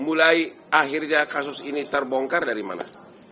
mulai akhirnya kasus ini terbongkar dari mana